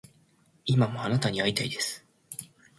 今もあなたに逢いたいです